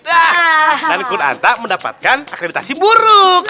dan rekun antak mendapatkan akreditasi buruk